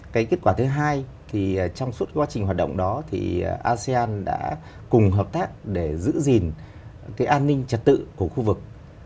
cái kết quả thứ hai thì trong suốt quá trình hoạt động đó thì asean đã cùng hợp tác để giữ gìn cái an ninh trật tự của khu vực